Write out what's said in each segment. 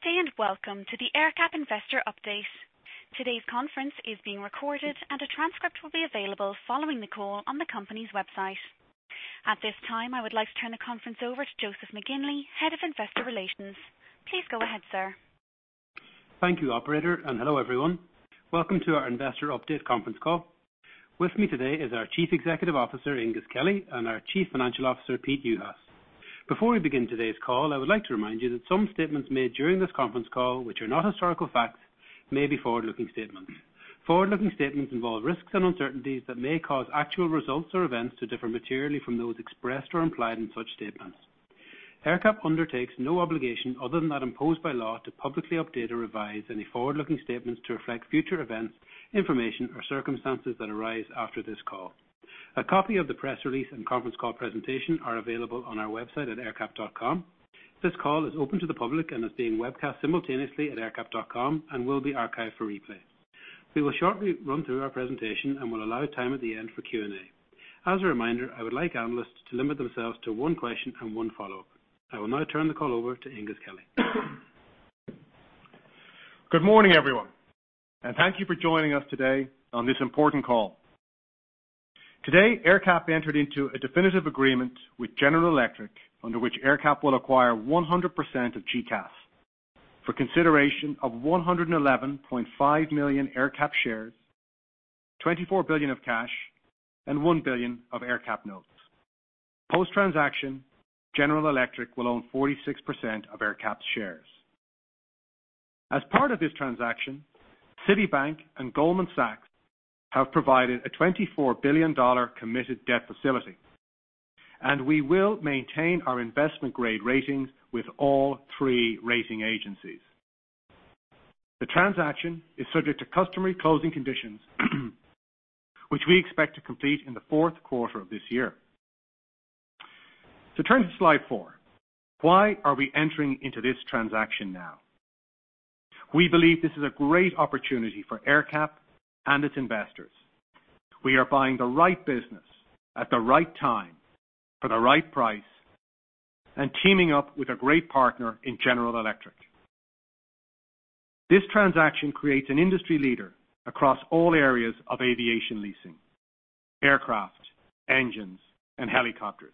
Good day and welcome to the AerCap Investor Update. Today's conference is being recorded, and a transcript will be available following the call on the company's website. At this time, I would like to turn the conference over to Joseph McGinley, Head of Investor Relations. Please go ahead, sir. Thank you, Operator, and hello, everyone. Welcome to our Investor Update conference call. With me today is our Chief Executive Officer, Aengus Kelly, and our Chief Financial Officer, Pete Juhas. Before we begin today's call, I would like to remind you that some statements made during this conference call, which are not historical facts, may be forward-looking statements. Forward-looking statements involve risks and uncertainties that may cause actual results or events to differ materially from those expressed or implied in such statements. AerCap undertakes no obligation, other than that imposed by law, to publicly update or revise any forward-looking statements to reflect future events, information, or circumstances that arise after this call. A copy of the press release and conference call presentation are available on our website at aerCap.com. This call is open to the public and is being webcast simultaneously at aerCap.com and will be archived for replay. We will shortly run through our presentation and will allow time at the end for Q&A. As a reminder, I would like analysts to limit themselves to one question and one follow-up. I will now turn the call over to Aengus Kelly. Good morning, everyone, and thank you for joining us today on this important call. Today, AerCap entered into a definitive agreement with General Electric under which AerCap will acquire 100% of GECAS for consideration of 111.5 million AerCap shares, $24 billion of cash, and $1 billion of AerCap notes. Post-transaction, General Electric will own 46% of AerCap's shares. As part of this transaction, Citibank and Goldman Sachs have provided a $24 billion committed debt facility, and we will maintain our investment-grade ratings with all three rating agencies. The transaction is subject to customary closing conditions, which we expect to complete in the fourth quarter of this year. To turn to slide four, why are we entering into this transaction now? We believe this is a great opportunity for AerCap and its investors. We are buying the right business at the right time for the right price and teaming up with a great partner in General Electric. This transaction creates an industry leader across all areas of aviation leasing: aircraft, engines, and helicopters.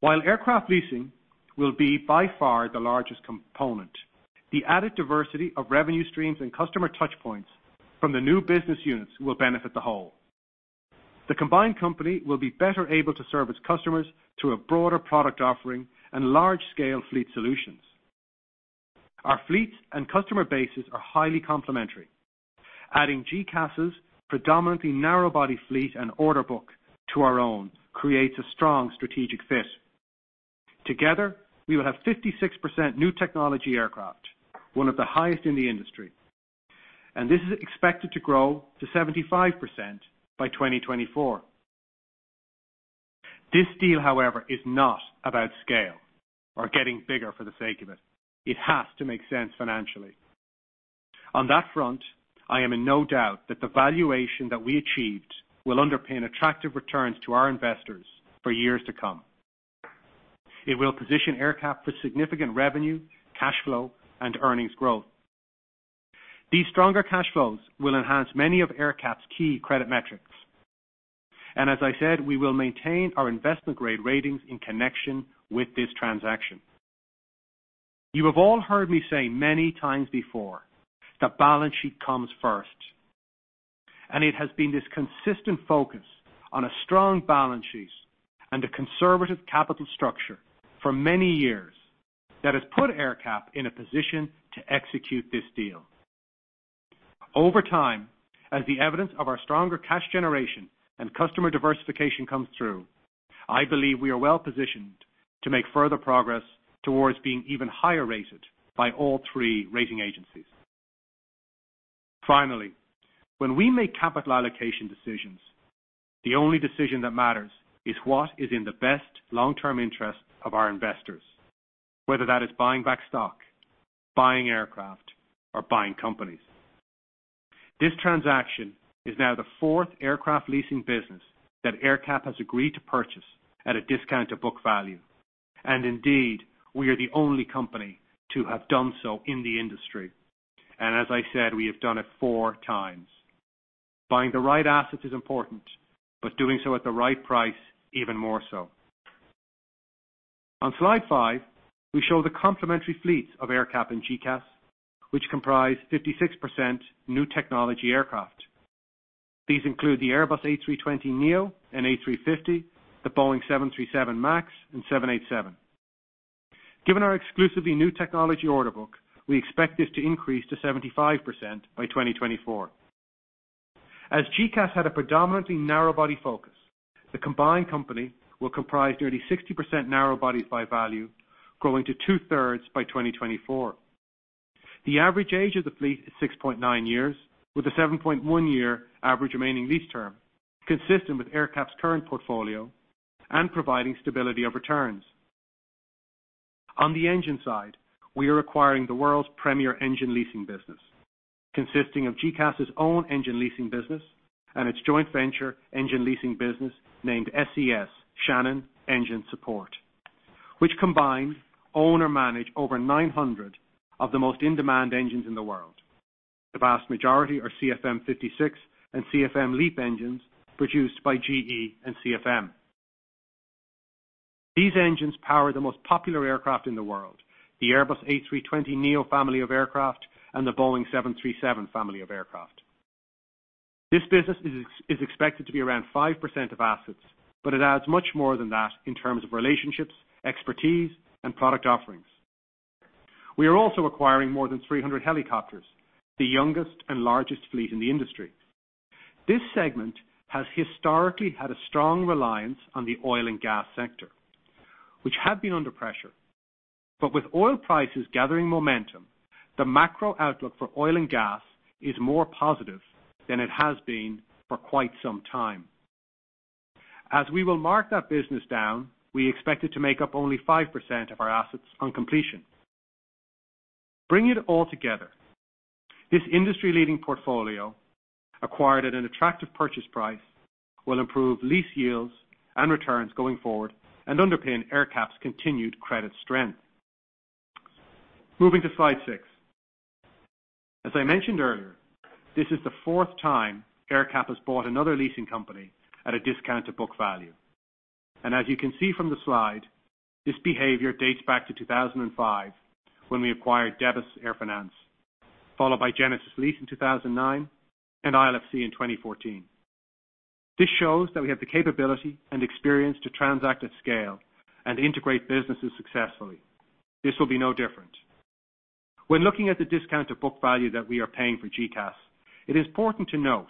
While aircraft leasing will be by far the largest component, the added diversity of revenue streams and customer touchpoints from the new business units will benefit the whole. The combined company will be better able to serve its customers through a broader product offering and large-scale fleet solutions. Our fleets and customer bases are highly complementary. Adding GECAS's predominantly narrow-body fleet and order book to our own creates a strong strategic fit. Together, we will have 56% new technology aircraft, one of the highest in the industry, and this is expected to grow to 75% by 2024. This deal, however, is not about scale or getting bigger for the sake of it. It has to make sense financially. On that front, I am in no doubt that the valuation that we achieved will underpin attractive returns to our investors for years to come. It will position AerCap for significant revenue, cash flow, and earnings growth. These stronger cash flows will enhance many of AerCap's key credit metrics. As I said, we will maintain our investment-grade ratings in connection with this transaction. You have all heard me say many times before that balance sheet comes first, and it has been this consistent focus on a strong balance sheet and a conservative capital structure for many years that has put AerCap in a position to execute this deal. Over time, as the evidence of our stronger cash generation and customer diversification comes through, I believe we are well positioned to make further progress towards being even higher rated by all three rating agencies. Finally, when we make capital allocation decisions, the only decision that matters is what is in the best long-term interest of our investors, whether that is buying back stock, buying aircraft, or buying companies. This transaction is now the fourth aircraft leasing business that AerCap has agreed to purchase at a discount to book value, and indeed, we are the only company to have done so in the industry. As I said, we have done it four times. Buying the right asset is important, but doing so at the right price even more so. On slide five, we show the complementary fleets of AerCap and GECAS, which comprise 56% new technology aircraft. These include the Airbus A320neo and A350, the Boeing 737 MAX, and 787. Given our exclusively new technology order book, we expect this to increase to 75% by 2024. As GECAS had a predominantly narrow-body focus, the combined company will comprise nearly 60% narrow bodies by value, growing to two-thirds by 2024. The average age of the fleet is 6.9 years, with a 7.1-year average remaining lease term consistent with AerCap's current portfolio and providing stability of returns. On the engine side, we are acquiring the world's premier engine leasing business, consisting of GECAS's own engine leasing business and its joint venture engine leasing business named SES Shannon Engine Support, which combined own or manage over 900 of the most in-demand engines in the world. The vast majority are CFM56, and CFM LEAP engines produced by GE and CFM. These engines power the most popular aircraft in the world, the Airbus A320neo family of aircraft and the Boeing 737 family of aircraft. This business is expected to be around 5% of assets, but it adds much more than that in terms of relationships, expertise, and product offerings. We are also acquiring more than 300 helicopters, the youngest and largest fleet in the industry. This segment has historically had a strong reliance on the oil and gas sector, which had been under pressure. With oil prices gathering momentum, the macro outlook for oil and gas is more positive than it has been for quite some time. As we will mark that business down, we expect it to make up only 5% of our assets on completion. Bringing it all together, this industry-leading portfolio, acquired at an attractive purchase price, will improve lease yields and returns going forward and underpin AerCap's continued credit strength. Moving to slide six. As I mentioned earlier, this is the fourth time AerCap has bought another leasing company at a discount to book value. As you can see from the slide, this behavior dates back to 2005 when we acquired Debus Air Finance, followed by Genesis Lease in 2009 and ILFC in 2014. This shows that we have the capability and experience to transact at scale and integrate businesses successfully. This will be no different. When looking at the discount to book value that we are paying for GECAS, it is important to note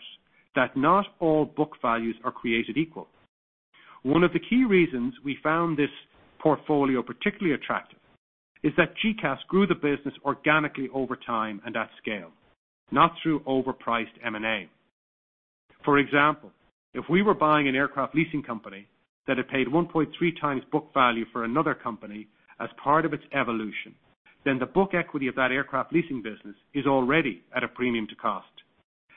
that not all book values are created equal. One of the key reasons we found this portfolio particularly attractive is that GECAS grew the business organically over time and at scale, not through overpriced M&A. For example, if we were buying an aircraft leasing company that had paid 1.3 times book value for another company as part of its evolution, then the book equity of that aircraft leasing business is already at a premium to cost.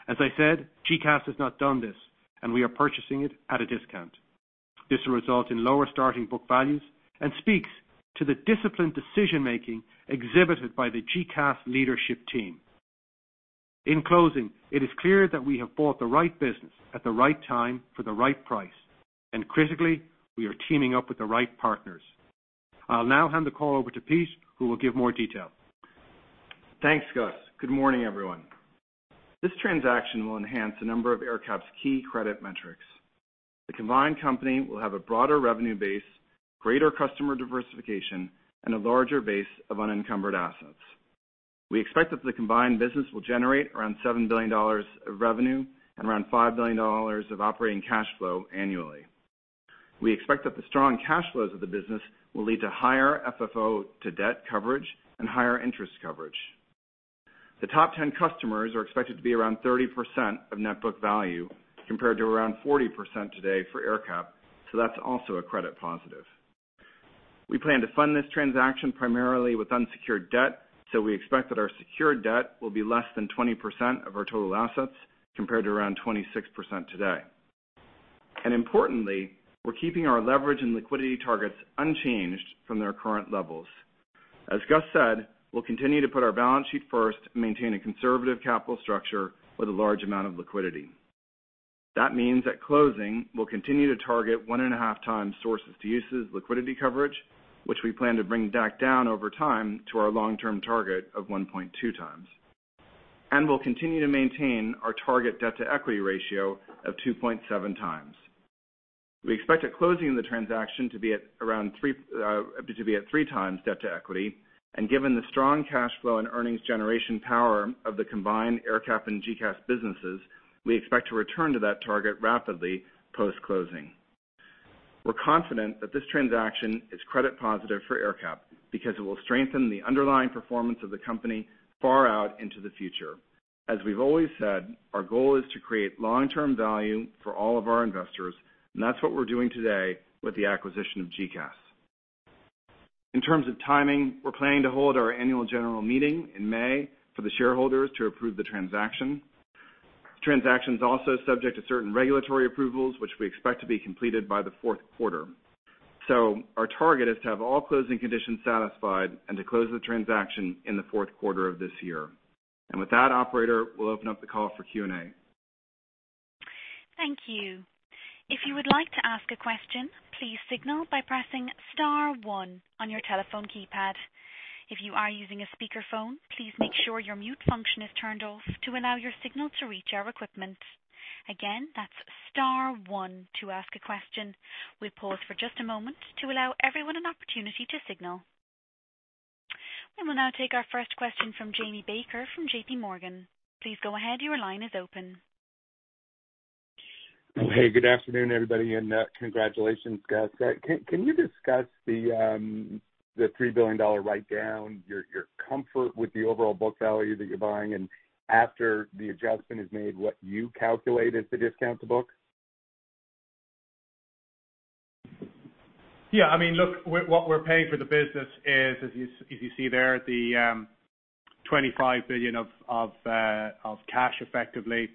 As I said, GECAS has not done this, and we are purchasing it at a discount. This will result in lower starting book values and speaks to the disciplined decision-making exhibited by the GECAS leadership team. In closing, it is clear that we have bought the right business at the right time for the right price, and critically, we are teaming up with the right partners. I'll now hand the call over to Pete, who will give more detail. Thanks, Gus. Good morning, everyone. This transaction will enhance a number of AerCap's key credit metrics. The combined company will have a broader revenue base, greater customer diversification, and a larger base of unencumbered assets. We expect that the combined business will generate around $7 billion of revenue and around $5 billion of operating cash flow annually. We expect that the strong cash flows of the business will lead to higher FFO to debt coverage and higher interest coverage. The top 10 customers are expected to be around 30% of net book value compared to around 40% today for AerCap, so that's also a credit positive. We plan to fund this transaction primarily with unsecured debt, so we expect that our secured debt will be less than 20% of our total assets compared to around 26% today. Importantly, we're keeping our leverage and liquidity targets unchanged from their current levels. As Gus said, we'll continue to put our balance sheet first and maintain a conservative capital structure with a large amount of liquidity. That means at closing, we'll continue to target 1.5 times sources to uses liquidity coverage, which we plan to bring back down over time to our long-term target of 1.2 times. We'll continue to maintain our target debt to equity ratio of 2.7 times. We expect at closing the transaction to be at around 3 times debt to equity, and given the strong cash flow and earnings generation power of the combined AerCap and GECAS businesses, we expect to return to that target rapidly post-closing. We're confident that this transaction is credit positive for AerCap because it will strengthen the underlying performance of the company far out into the future. As we've always said, our goal is to create long-term value for all of our investors, and that's what we're doing today with the acquisition of GECAS. In terms of timing, we're planning to hold our annual general meeting in May for the shareholders to approve the transaction. The transaction is also subject to certain regulatory approvals, which we expect to be completed by the fourth quarter. Our target is to have all closing conditions satisfied and to close the transaction in the fourth quarter of this year. With that, operator, we'll open up the call for Q&A. Thank you. If you would like to ask a question, please signal by pressing star one on your telephone keypad. If you are using a speakerphone, please make sure your mute function is turned off to allow your signal to reach our equipment. Again, that's star one to ask a question. We'll pause for just a moment to allow everyone an opportunity to signal. We will now take our first question from Jamie Baker from JPMorgan. Please go ahead. Your line is open. Hey, good afternoon, everybody, and congratulations, Gus. Can you discuss the $3 billion write-down, your comfort with the overall book value that you're buying, and after the adjustment is made, what you calculate as the discount to book? Yeah. I mean, look, what we're paying for the business is, as you see there, the $25 billion of cash effectively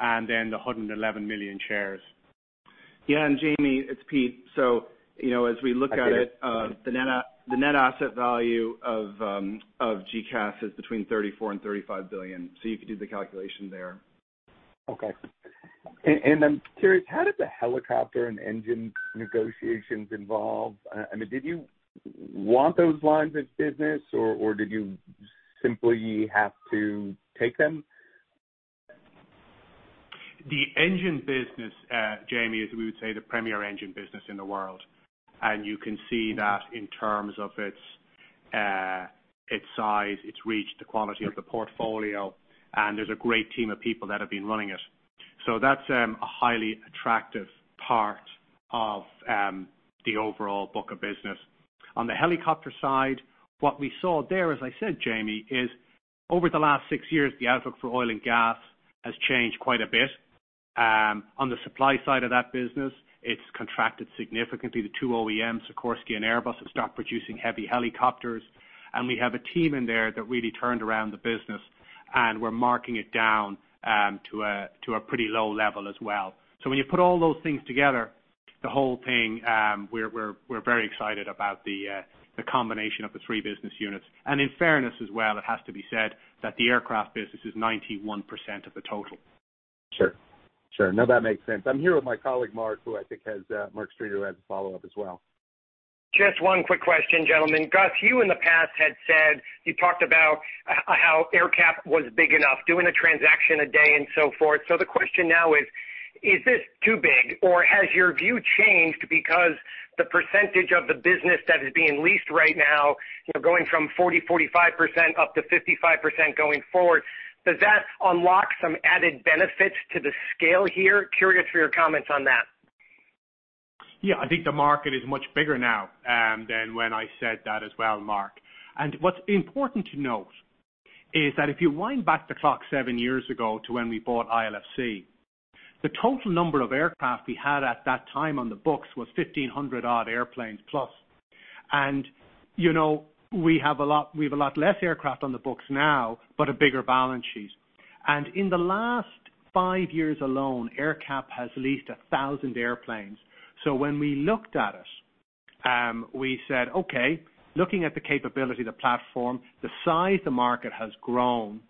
and then the 111 million shares. Yeah. Jamie, it's Pete. As we look at it, the net asset value of GECAS is between $34 billion and $35 billion. You could do the calculation there. Okay. I'm curious, how did the helicopter and engine negotiations involve? I mean, did you want those lines of business, or did you simply have to take them? The engine business, Jamie, is, we would say, the premier engine business in the world. You can see that in terms of its size, its reach, the quality of the portfolio, and there's a great team of people that have been running it. That is a highly attractive part of the overall book of business. On the helicopter side, what we saw there, as I said, Jamie, is over the last six years, the outlook for oil and gas has changed quite a bit. On the supply side of that business, it has contracted significantly. The two OEMs, Sikorsky and Airbus, have stopped producing heavy helicopters, and we have a team in there that really turned around the business, and we are marking it down to a pretty low level as well. When you put all those things together, the whole thing, we're very excited about the combination of the three business units. In fairness as well, it has to be said that the aircraft business is 91% of the total. Sure. Sure. No, that makes sense. I'm here with my colleague, Mark, who I think has Mark Streeter, who has a follow-up as well. Just one quick question, gentlemen. Gus, you in the past had said you talked about how AerCap was big enough, doing a transaction a day and so forth. The question now is, is this too big, or has your view changed because the percentage of the business that is being leased right now, going from 40-45% up to 55% going forward, does that unlock some added benefits to the scale here? Curious for your comments on that. Yeah. I think the market is much bigger now than when I said that as well, Mark. What's important to note is that if you wind back the clock seven years ago to when we bought ILFC, the total number of aircraft we had at that time on the books was 1,500-odd airplanes plus. We have a lot less aircraft on the books now, but a bigger balance sheet. In the last five years alone, AerCap has leased 1,000 airplanes. When we looked at it, we said, "Okay, looking at the capability, the platform, the size the market has grown,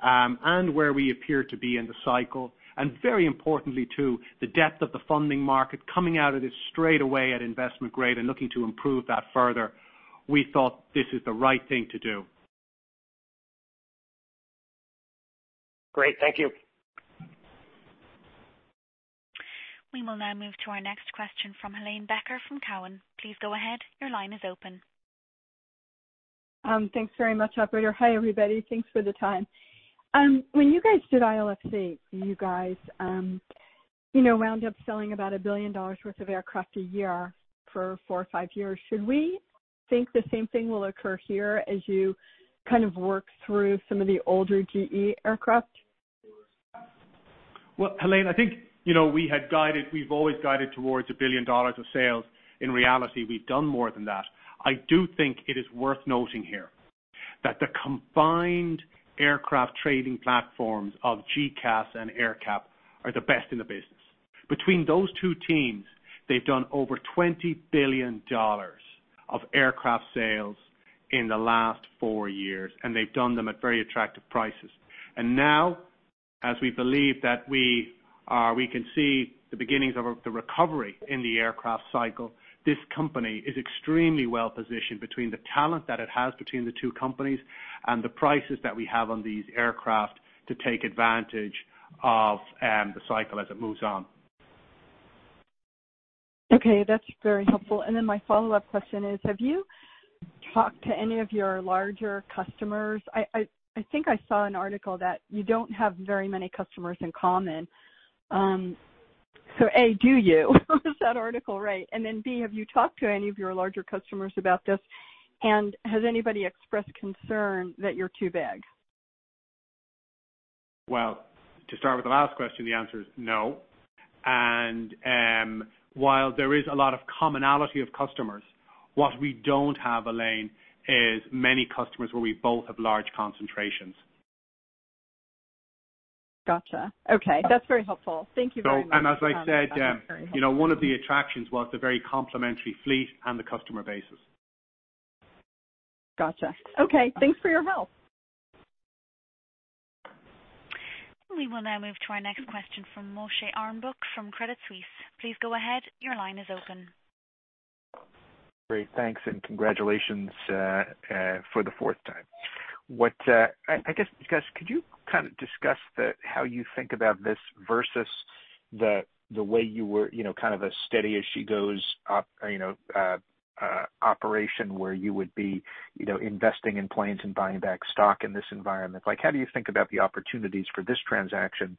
and where we appear to be in the cycle, and very importantly, too, the depth of the funding market coming out of this straight away at investment grade and looking to improve that further, we thought this is the right thing to do. Great. Thank you. We will now move to our next question from Helane Becker from Cowen. Please go ahead. Your line is open. Thanks very much, operator. Hi, everybody. Thanks for the time. When you guys did ILFC, you guys wound up selling about $1 billion worth of aircraft a year for four or five years. Should we think the same thing will occur here as you kind of work through some of the older GE aircraft? Helene, I think we had guided, we've always guided towards a billion dollars of sales. In reality, we've done more than that. I do think it is worth noting here that the combined aircraft trading platforms of GECAS and AerCap are the best in the business. Between those two teams, they've done over $20 billion of aircraft sales in the last four years, and they've done them at very attractive prices. Now, as we believe that we can see the beginnings of the recovery in the aircraft cycle, this company is extremely well positioned between the talent that it has between the two companies and the prices that we have on these aircraft to take advantage of the cycle as it moves on. Okay. That's very helpful. My follow-up question is, have you talked to any of your larger customers? I think I saw an article that you do not have very many customers in common. A, do you? Is that article right? B, have you talked to any of your larger customers about this? Has anybody expressed concern that you are too big? To start with the last question, the answer is no. While there is a lot of commonality of customers, what we do not have, Helene, is many customers where we both have large concentrations. Gotcha. Okay. That's very helpful. Thank you very much. As I said, one of the attractions was the very complementary fleet and the customer bases. Gotcha. Okay. Thanks for your help. We will now move to our next question from Moshe Orenbuch from Credit Suisse. Please go ahead. Your line is open. Great. Thanks. Congratulations for the fourth time. I guess, Gus, could you kind of discuss how you think about this versus the way you were kind of a steady-as-she-goes operation where you would be investing in planes and buying back stock in this environment? How do you think about the opportunities for this transaction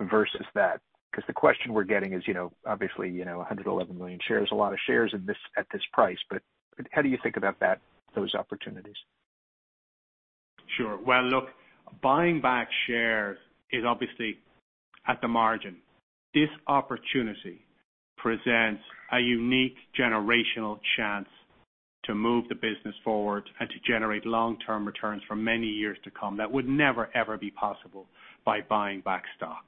versus that? The question we're getting is, obviously, 111 million shares, a lot of shares at this price, but how do you think about those opportunities? Sure. Look, buying back shares is obviously at the margin. This opportunity presents a unique generational chance to move the business forward and to generate long-term returns for many years to come that would never, ever be possible by buying back stock.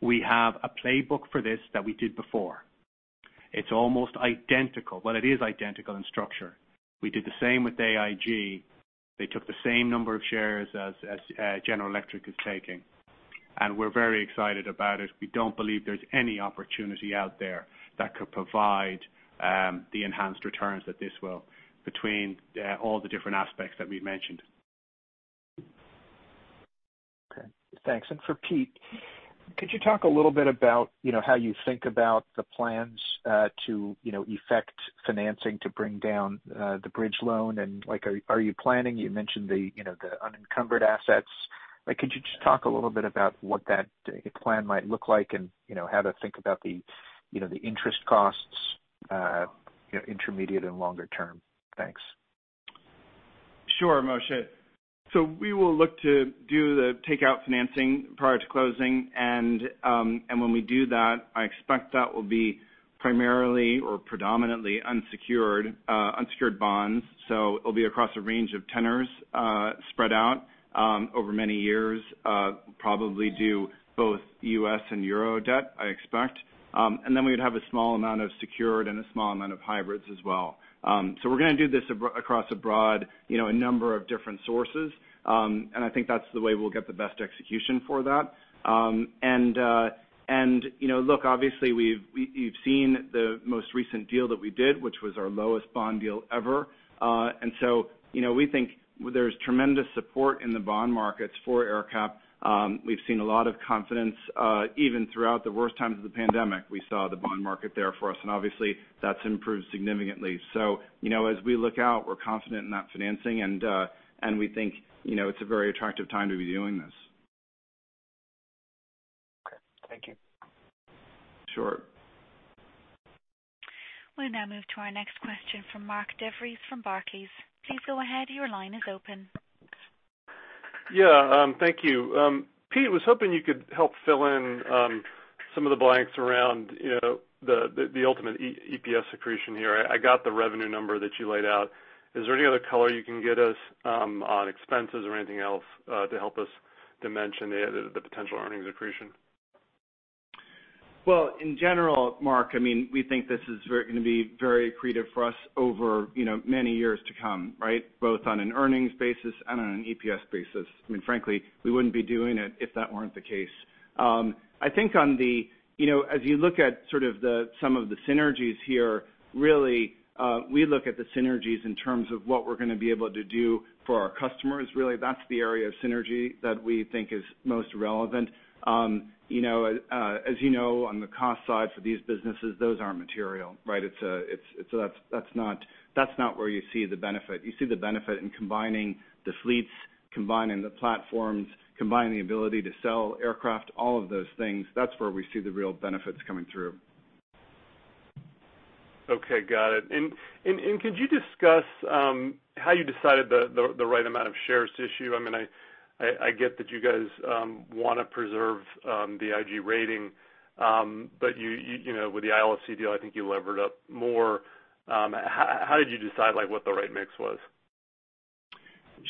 We have a playbook for this that we did before. It's almost identical. It is identical in structure. We did the same with AIG. They took the same number of shares as General Electric is taking. We're very excited about it. We don't believe there's any opportunity out there that could provide the enhanced returns that this will between all the different aspects that we've mentioned. Okay. Thanks. For Pete, could you talk a little bit about how you think about the plans to effect financing to bring down the bridge loan? Are you planning? You mentioned the unencumbered assets. Could you just talk a little bit about what that plan might look like and how to think about the interest costs intermediate and longer term? Thanks. Sure, Moshe. We will look to do the takeout financing prior to closing. When we do that, I expect that will be primarily or predominantly unsecured bonds. It will be across a range of tenors spread out over many years, probably do both US and EUR debt, I expect. We would have a small amount of secured and a small amount of hybrids as well. We are going to do this across a broad number of different sources. I think that is the way we will get the best execution for that. Obviously, we have seen the most recent deal that we did, which was our lowest bond deal ever. We think there is tremendous support in the bond markets for AerCap. We have seen a lot of confidence even throughout the worst times of the pandemic. We saw the bond market there for us. Obviously, that's improved significantly. As we look out, we're confident in that financing, and we think it's a very attractive time to be doing this. Okay. Thank you. Sure. We'll now move to our next question from Mark DeVries from Barclays. Please go ahead. Your line is open. Yeah. Thank you. Pete, I was hoping you could help fill in some of the blanks around the ultimate EPS accretion here. I got the revenue number that you laid out. Is there any other color you can get us on expenses or anything else to help us dimension the potential earnings accretion? In general, Mark, I mean, we think this is going to be very accretive for us over many years to come, right, both on an earnings basis and on an EPS basis. I mean, frankly, we wouldn't be doing it if that weren't the case. I think as you look at sort of some of the synergies here, really, we look at the synergies in terms of what we're going to be able to do for our customers. Really, that's the area of synergy that we think is most relevant. As you know, on the cost side for these businesses, those aren't material, right? That's not where you see the benefit. You see the benefit in combining the fleets, combining the platforms, combining the ability to sell aircraft, all of those things. That's where we see the real benefits coming through. Okay. Got it. Could you discuss how you decided the right amount of shares to issue? I mean, I get that you guys want to preserve the IG rating, but with the ILFC deal, I think you levered up more. How did you decide what the right mix was?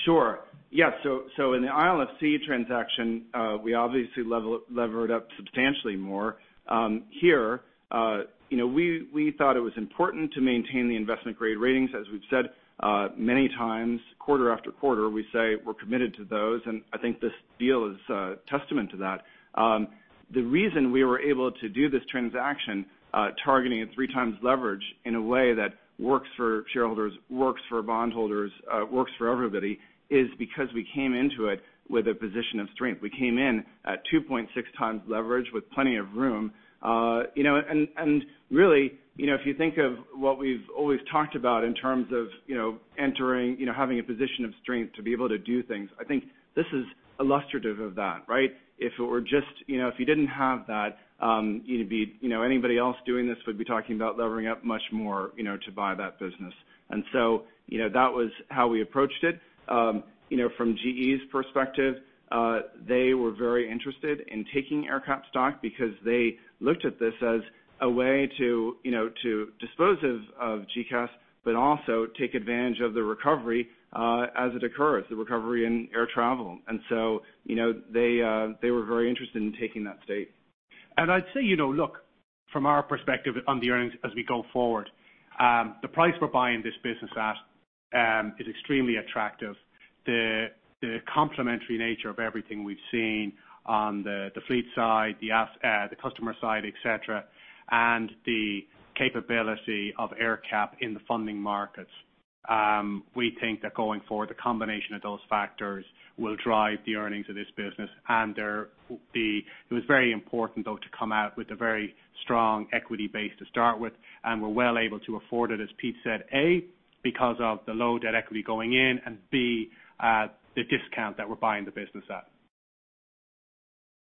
Sure. Yeah. In the ILFC transaction, we obviously levered up substantially more. Here, we thought it was important to maintain the investment-grade ratings. As we've said many times, quarter after quarter, we say we're committed to those. I think this deal is a testament to that. The reason we were able to do this transaction, targeting at three times leverage in a way that works for shareholders, works for bondholders, works for everybody, is because we came into it with a position of strength. We came in at 2.6 times leverage with plenty of room. Really, if you think of what we've always talked about in terms of having a position of strength to be able to do things, I think this is illustrative of that, right? If it were just if you didn't have that, anybody else doing this would be talking about levering up much more to buy that business. That was how we approached it. From GE's perspective, they were very interested in taking AerCap stock because they looked at this as a way to dispose of GECAS, but also take advantage of the recovery as it occurs, the recovery in air travel. They were very interested in taking that stake. I’d say, look, from our perspective on the earnings as we go forward, the price we’re buying this business at is extremely attractive. The complementary nature of everything we’ve seen on the fleet side, the customer side, etc., and the capability of AerCap in the funding markets, we think that going forward, the combination of those factors will drive the earnings of this business. It was very important, though, to come out with a very strong equity base to start with. We’re well able to afford it, as Pete said, A, because of the low debt equity going in, and B, the discount that we’re buying the business at.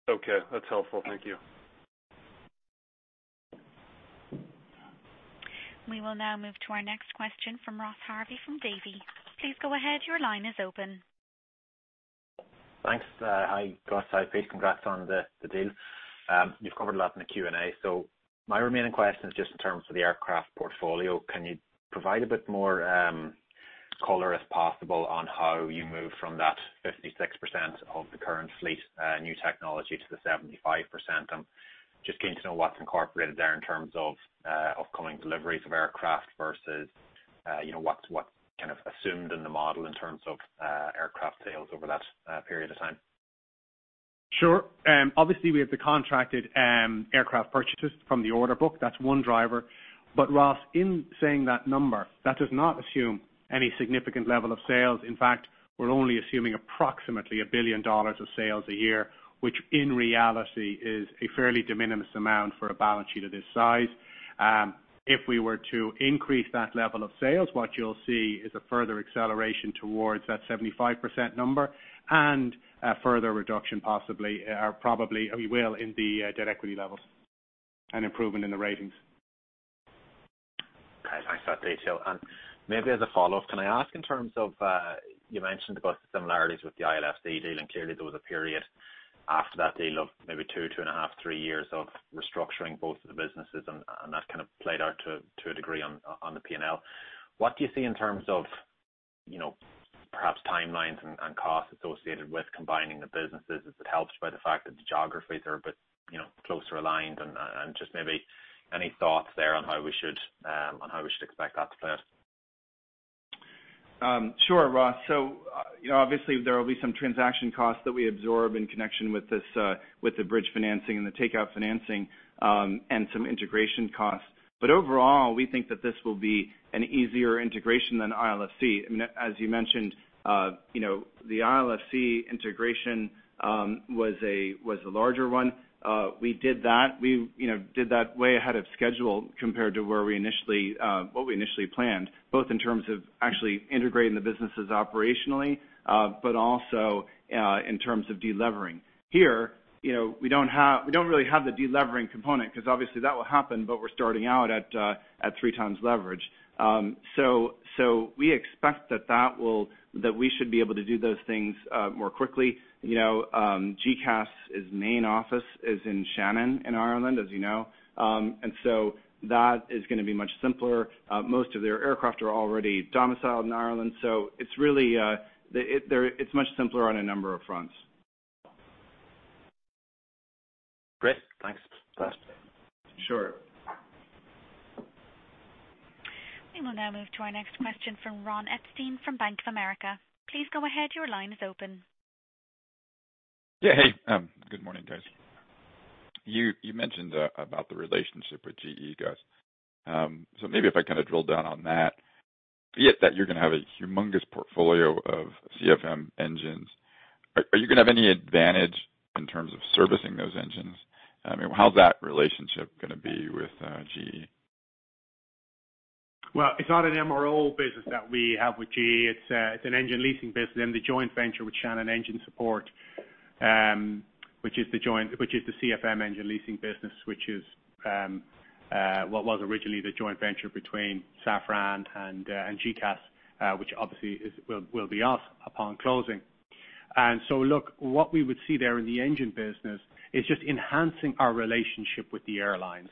Okay. That's helpful. Thank you. We will now move to our next question from Ross Harvey from Davie. Please go ahead. Your line is open. Thanks. Hi, Gus. Hi, Pete. Congrats on the deal. You have covered a lot in the Q&A. My remaining question is just in terms of the aircraft portfolio. Can you provide a bit more color, if possible, on how you move from that 56% of the current fleet new technology to the 75%? I am just keen to know what is incorporated there in terms of upcoming deliveries of aircraft versus what is kind of assumed in the model in terms of aircraft sales over that period of time. Sure. Obviously, we have the contracted aircraft purchases from the order book. That's one driver. Ross, in saying that number, that does not assume any significant level of sales. In fact, we're only assuming approximately $1 billion of sales a year, which in reality is a fairly de minimis amount for a balance sheet of this size. If we were to increase that level of sales, what you'll see is a further acceleration towards that 75% number and a further reduction possibly or probably will in the debt equity levels and improvement in the ratings. Okay. Thanks for that detail. Maybe as a follow-up, can I ask in terms of you mentioned both the similarities with the ILFC deal, and clearly there was a period after that deal of maybe two, two and a half, three years of restructuring both of the businesses, and that kind of played out to a degree on the P&L. What do you see in terms of perhaps timelines and costs associated with combining the businesses? Is it helped by the fact that the geographies are a bit closer aligned? Just maybe any thoughts there on how we should expect that to play out? Sure, Ross. Obviously, there will be some transaction costs that we absorb in connection with the bridge financing and the takeout financing and some integration costs. Overall, we think that this will be an easier integration than ILFC. I mean, as you mentioned, the ILFC integration was a larger one. We did that. We did that way ahead of schedule compared to what we initially planned, both in terms of actually integrating the businesses operationally but also in terms of delivering. Here, we do not really have the delivering component because obviously that will happen, but we are starting out at three times leverage. We expect that we should be able to do those things more quickly. GECAS's main office is in Shannon in Ireland, as you know. That is going to be much simpler. Most of their aircraft are already domiciled in Ireland. It is much simpler on a number of fronts. Great. Thanks, Gus. Sure. We will now move to our next question from Ron Epstein from Bank of America. Please go ahead. Your line is open. Yeah. Hey. Good morning, guys. You mentioned about the relationship with GE, Gus. Maybe if I kind of drill down on that, you're going to have a humongous portfolio of CFM engines. Are you going to have any advantage in terms of servicing those engines? I mean, how's that relationship going to be with GE? It's not an MRO business that we have with GE. It's an engine leasing business and the joint venture with Shannon Engine Support, which is the CFM engine leasing business, which is what was originally the joint venture between Safran and GECAS, which obviously will be us upon closing. What we would see there in the engine business is just enhancing our relationship with the airlines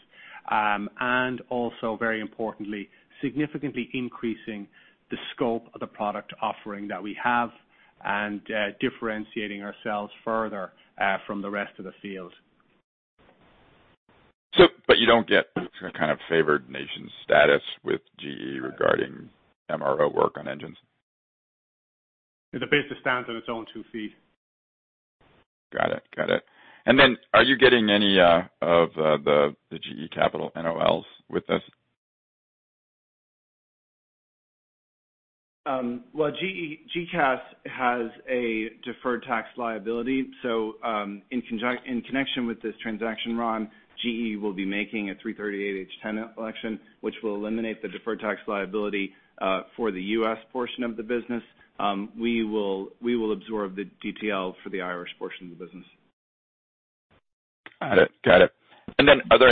and also, very importantly, significantly increasing the scope of the product offering that we have and differentiating ourselves further from the rest of the field. You do not get kind of favored nation status with GE regarding MRO work on engines? The business stands on its own two feet. Got it. Got it. Are you getting any of the GE Capital NOLs with this? GCAS has a deferred tax liability. In connection with this transaction, Ron, GE will be making a 338H10 election, which will eliminate the deferred tax liability for the U.S. portion of the business. We will absorb the DTL for the Irish portion of the business. Got it. Got it. Are there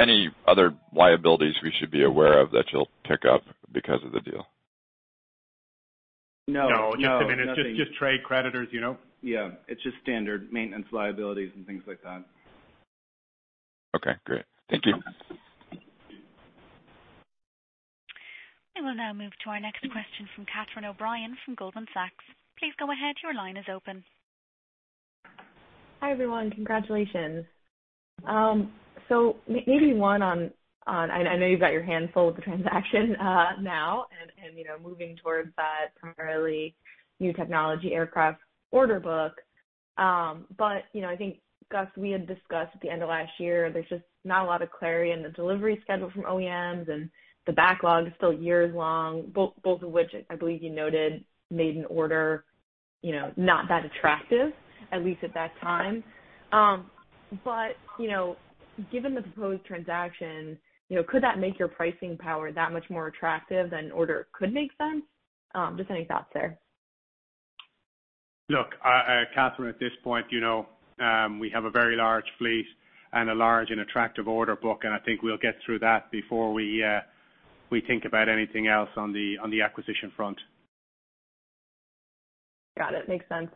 any other liabilities we should be aware of that you'll pick up because of the deal? No. No. Just trade creditors. Yeah. It's just standard maintenance liabilities and things like that. Okay. Great. Thank you. We will now move to our next question from Catie O'Brien from Goldman Sachs. Please go ahead. Your line is open. Hi, everyone. Congratulations. Maybe one on I know you've got your hands full with the transaction now and moving towards that primarily new technology aircraft order book. I think, Gus, we had discussed at the end of last year, there's just not a lot of clarity in the delivery schedule from OEMs, and the backlog is still years long, both of which, I believe you noted, made an order not that attractive, at least at that time. Given the proposed transaction, could that make your pricing power that much more attractive than order could make sense? Just any thoughts there? Look, Katherine, at this point, we have a very large fleet and a large and attractive order book, and I think we'll get through that before we think about anything else on the acquisition front. Got it. Makes sense.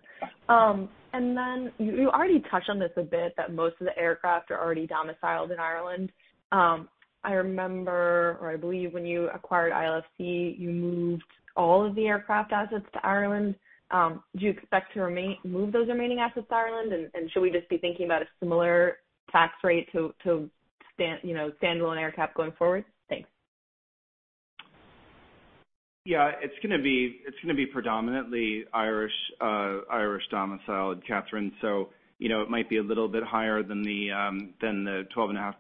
And then you already touched on this a bit, that most of the aircraft are already domiciled in Ireland. I remember, or I believe when you acquired ILFC, you moved all of the aircraft assets to Ireland. Do you expect to move those remaining assets to Ireland? And should we just be thinking about a similar tax rate to stand-alone AerCap going forward? Thanks. Yeah. It's going to be predominantly Irish domiciled, Katherine. It might be a little bit higher than the 12.5%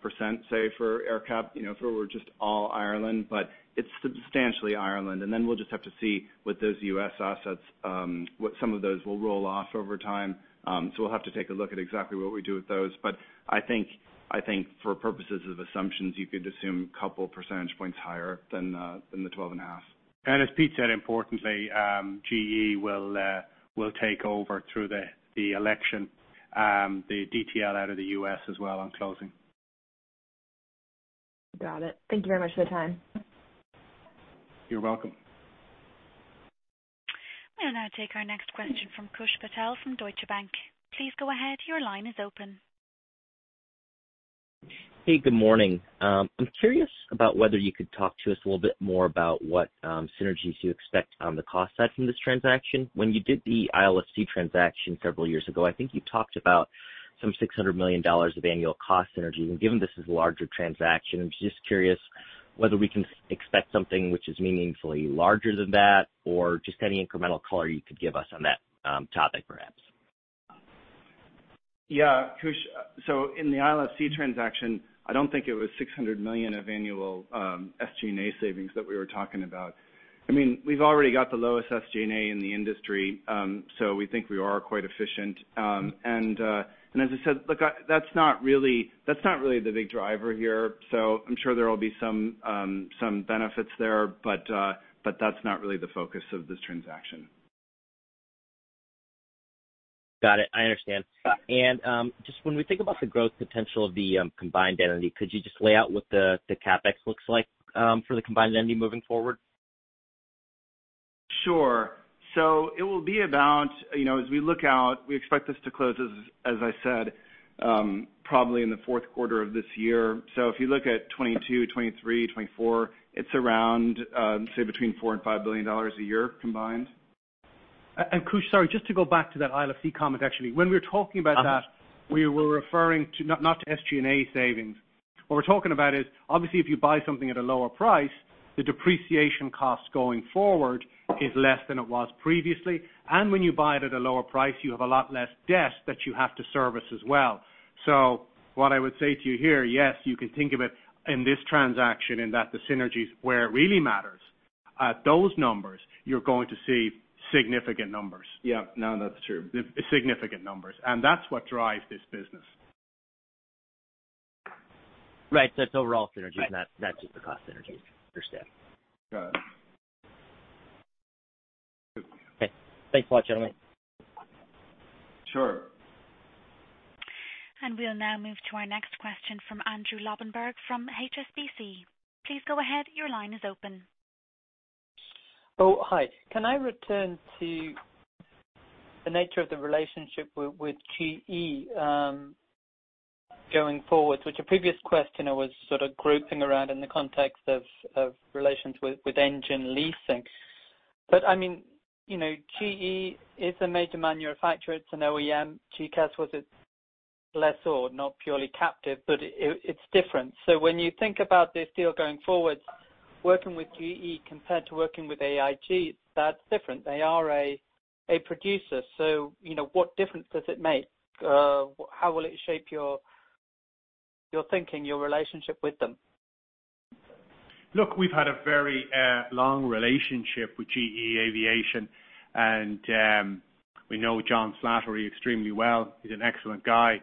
for AerCap if it were just all Ireland, but it's substantially Ireland. We will just have to see with those US assets what some of those will roll off over time. We will have to take a look at exactly what we do with those. I think for purposes of assumptions, you could assume a couple percentage points higher than the 12.5%. As Pete said, importantly, GE will take over through the election, the DTL out of the U.S. as well on closing. Got it. Thank you very much for the time. You're welcome. We will now take our next question from Kush Patel from Deutsche Bank. Please go ahead. Your line is open. Hey, good morning. I'm curious about whether you could talk to us a little bit more about what synergies you expect on the cost side from this transaction. When you did the ILFC transaction several years ago, I think you talked about some $600 million of annual cost synergy. Given this is a larger transaction, I'm just curious whether we can expect something which is meaningfully larger than that or just any incremental color you could give us on that topic, perhaps. Yeah. Kush, so in the ILFC transaction, I do not think it was $600 million of annual SG&A savings that we were talking about. I mean, we have already got the lowest SG&A in the industry, so we think we are quite efficient. I mean, as I said, look, that is not really the big driver here. I am sure there will be some benefits there, but that is not really the focus of this transaction. Got it. I understand. When we think about the growth potential of the combined entity, could you just lay out what the CapEx looks like for the combined entity moving forward? Sure. It will be about, as we look out, we expect this to close, as I said, probably in the fourth quarter of this year. If you look at 2022, 2023, 2024, it is around, say, between $4 billion and $5 billion a year combined. Kush, sorry, just to go back to that ILFC comment, actually. When we were talking about that, we were referring to not to SG&A savings. What we're talking about is, obviously, if you buy something at a lower price, the depreciation cost going forward is less than it was previously. When you buy it at a lower price, you have a lot less debt that you have to service as well. What I would say to you here, yes, you can think of it in this transaction in that the synergies where it really matters, at those numbers, you're going to see significant numbers. Yeah, no, that's true. Significant numbers. That is what drives this business. Right. It is overall synergies, not just the cost synergies. Understood. Got it. Okay. Thanks a lot, gentlemen. Sure. We will now move to our next question from Andrew Lobbenberg from HSBC. Please go ahead. Your line is open. Oh, hi. Can I return to the nature of the relationship with GE going forward, which a previous question I was sort of groping around in the context of relations with engine leasing? I mean, GE is a major manufacturer. It's an OEM. GECAS was a lessor, not purely captive, but it's different. When you think about this deal going forward, working with GE compared to working with AIG, that's different. They are a producer. What difference does it make? How will it shape your thinking, your relationship with them? Look, we've had a very long relationship with GE Aviation, and we know John Slattery extremely well. He's an excellent guy.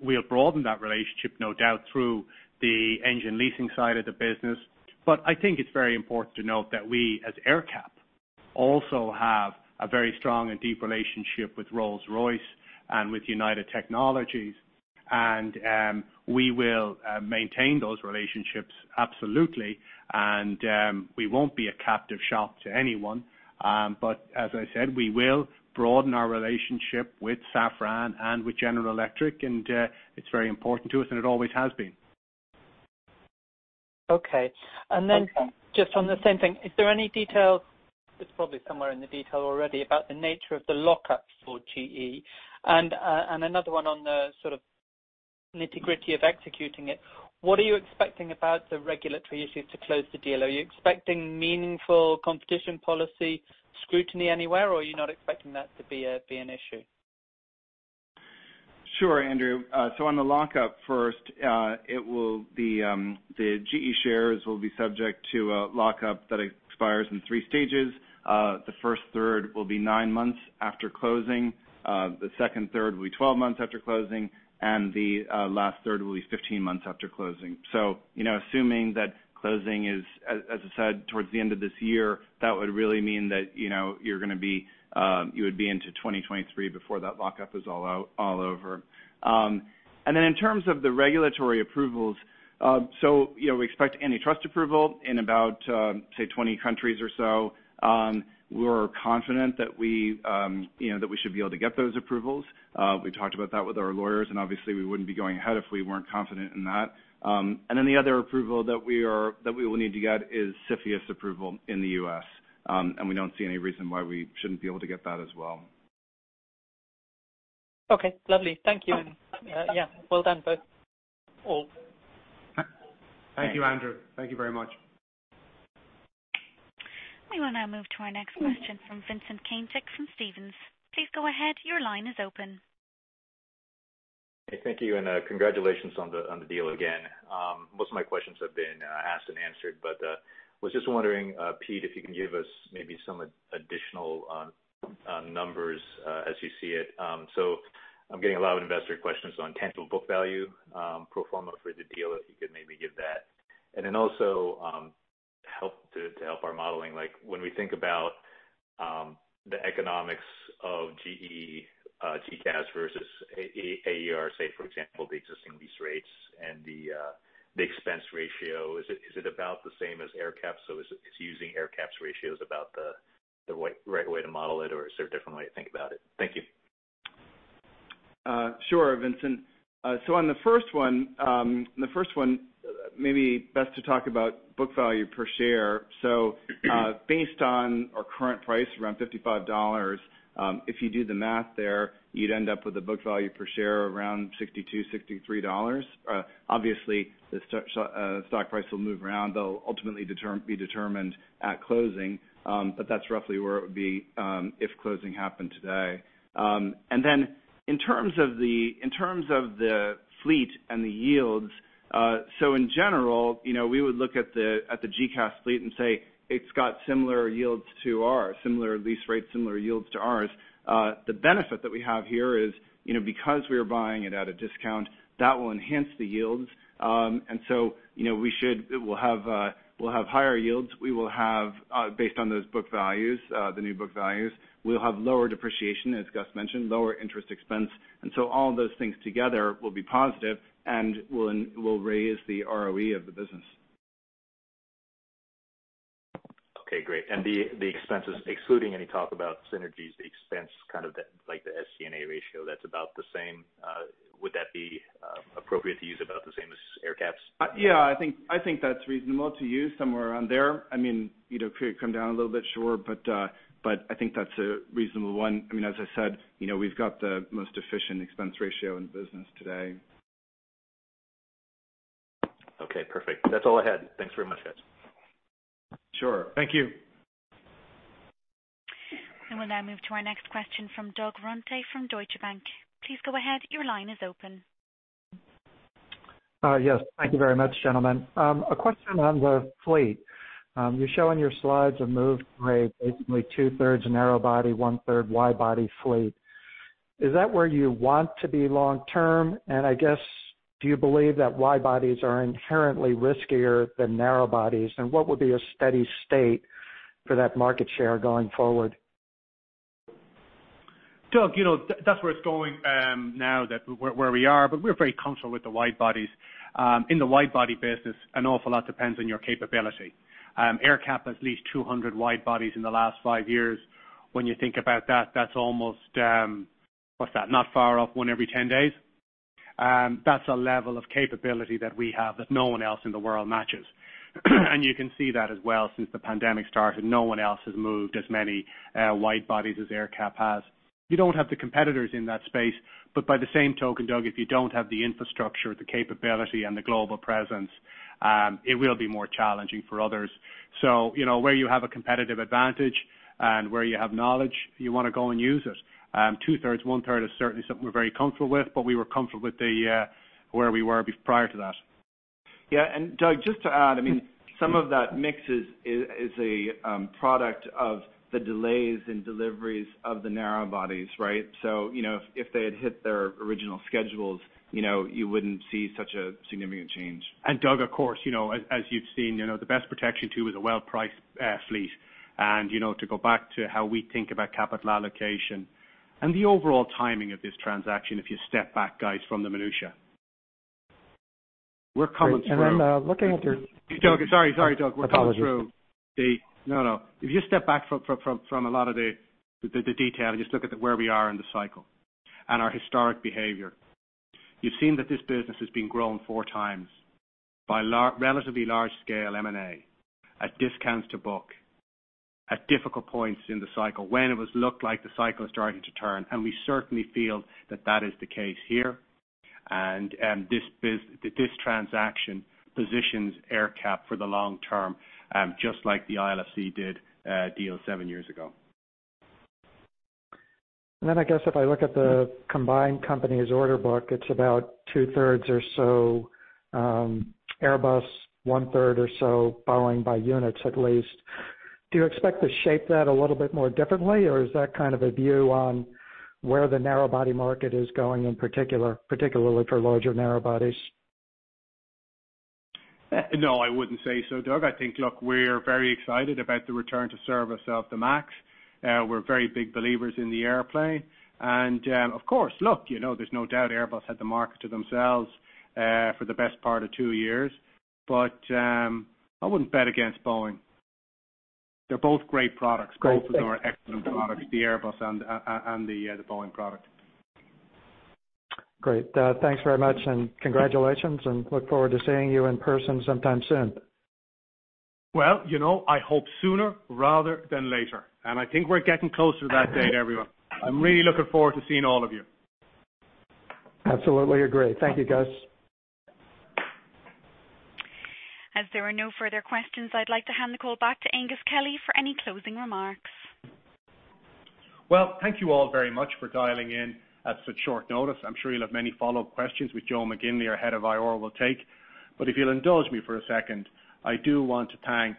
We'll broaden that relationship, no doubt, through the engine leasing side of the business. I think it's very important to note that we, as AerCap, also have a very strong and deep relationship with Rolls-Royce and with United Technologies. We will maintain those relationships, absolutely. We won't be a captive shop to anyone. As I said, we will broaden our relationship with Safran and with General Electric. It's very important to us, and it always has been. Okay. And then just on the same thing, is there any detail? It's probably somewhere in the detail already about the nature of the lockup for GE. Another one on the sort of nitty-gritty of executing it. What are you expecting about the regulatory issues to close the deal? Are you expecting meaningful competition policy scrutiny anywhere, or are you not expecting that to be an issue? Sure, Andrew. On the lockup first, the GE shares will be subject to a lockup that expires in three stages. The first third will be nine months after closing. The second third will be 12 months after closing. The last third will be 15 months after closing. Assuming that closing is, as I said, towards the end of this year, that would really mean that you're going to be you would be into 2023 before that lockup is all over. In terms of the regulatory approvals, we expect antitrust approval in about, say, 20 countries or so. We're confident that we should be able to get those approvals. We talked about that with our lawyers, and obviously, we wouldn't be going ahead if we weren't confident in that. The other approval that we will need to get is CFIUS approval in the U.S. We do not see any reason why we should not be able to get that as well. Okay. Lovely. Thank you. Yeah, well done, both. Thank you, Andrew. Thank you very much. We will now move to our next question from Vincent Caintec from Stephens. Please go ahead. Your line is open. Thank you. Congratulations on the deal again. Most of my questions have been asked and answered, but I was just wondering, Pete, if you can give us maybe some additional numbers as you see it. I'm getting a lot of investor questions on tangible book value, pro forma for the deal if you could maybe give that. Also, to help our modeling, when we think about the economics of GE, GECAS versus AER, say, for example, the existing lease rates and the expense ratio, is it about the same as AerCap? Is using AerCap's ratios about the right way to model it, or is there a different way to think about it? Thank you. Sure, Vincent. On the first one, maybe best to talk about book value per share. Based on our current price, around $55, if you do the math there, you'd end up with a book value per share around $62-$63. Obviously, the stock price will move around. That will ultimately be determined at closing, but that's roughly where it would be if closing happened today. In terms of the fleet and the yields, in general, we would look at the GECAS fleet and say, "It's got similar yields to ours, similar lease rates, similar yields to ours." The benefit that we have here is because we are buying it at a discount, that will enhance the yields. We should have higher yields. We will have, based on those book values, the new book values, we'll have lower depreciation, as Gus mentioned, lower interest expense. All those things together will be positive and will raise the ROE of the business. Okay. Great. The expenses, excluding any talk about synergies, the expense, kind of like the SG&A ratio, that's about the same. Would that be appropriate to use about the same as AerCap's? Yeah. I think that's reasonable to use somewhere around there. I mean, could it come down a little bit, sure, but I think that's a reasonable one. I mean, as I said, we've got the most efficient expense ratio in the business today. Okay. Perfect. That's all I had. Thanks very much, guys. Sure. Thank you. We will now move to our next question from Doug Runte from Deutsche Bank. Please go ahead. Your line is open. Yes. Thank you very much, gentlemen. A question on the fleet. You show in your slides a move to a basically two-thirds narrow body, one-third wide body fleet. Is that where you want to be long-term? I guess, do you believe that wide bodies are inherently riskier than narrow bodies? What would be a steady state for that market share going forward? Doug, that's where it's going now, where we are. We're very comfortable with the wide bodies. In the wide body business, an awful lot depends on your capability. AerCap has leased 200 wide bodies in the last five years. When you think about that, that's almost—what's that?—not far off one every 10 days. That's a level of capability that we have that no one else in the world matches. You can see that as well since the pandemic started. No one else has moved as many wide bodies as AerCap has. You don't have the competitors in that space. By the same token, Doug, if you don't have the infrastructure, the capability, and the global presence, it will be more challenging for others. Where you have a competitive advantage and where you have knowledge, you want to go and use it. Two-thirds, one-third is certainly something we're very comfortable with, but we were comfortable with where we were prior to that. Yeah. Doug, just to add, I mean, some of that mix is a product of the delays in deliveries of the narrow bodies, right? If they had hit their original schedules, you would not see such a significant change. Doug, of course, as you've seen, the best protection too is a well-priced fleet. To go back to how we think about capital allocation and the overall timing of this transaction, if you step back, guys, from the minutia. We're coming straight. Looking at your. Doug, sorry, Doug. We're coming through. No, no. If you step back from a lot of the detail and just look at where we are in the cycle and our historic behavior, you've seen that this business has been grown four times by relatively large-scale M&A at discounts to book, at difficult points in the cycle when it looked like the cycle was starting to turn. We certainly feel that that is the case here. This transaction positions AerCap for the long term, just like the ILFC deal seven years ago. I guess if I look at the combined company's order book, it's about two-thirds or so Airbus, one-third or so Boeing by units at least. Do you expect to shape that a little bit more differently, or is that kind of a view on where the narrow body market is going in particular, particularly for larger narrow bodies? No, I wouldn't say so, Doug. I think, look, we're very excited about the return to service of the MAX. We're very big believers in the airplane. Of course, look, there's no doubt Airbus had the market to themselves for the best part of two years. I wouldn't bet against Boeing. They're both great products. Both of them are excellent products, the Airbus and the Boeing product. Great. Thanks very much. Congratulations. I look forward to seeing you in person sometime soon. I hope sooner rather than later. I think we're getting close to that date, everyone. I'm really looking forward to seeing all of you. Absolutely agree. Thank you, guys. As there are no further questions, I'd like to hand the call back to Aengus Kelly for any closing remarks. Thank you all very much for dialing in at such short notice. I'm sure you'll have many follow-up questions, which Joseph McGinley, our Head of Investor Relations, will take. If you'll indulge me for a second, I do want to thank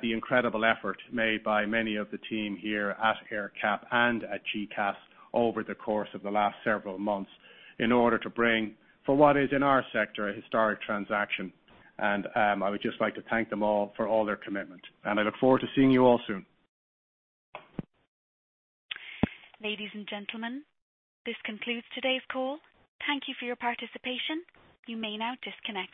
the incredible effort made by many of the team here at AerCap and at GECAS over the course of the last several months in order to bring, for what is in our sector, a historic transaction. I would just like to thank them all for all their commitment. I look forward to seeing you all soon. Ladies and gentlemen, this concludes today's call. Thank you for your participation. You may now disconnect.